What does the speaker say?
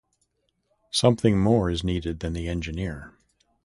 Something more is needed than the engineer.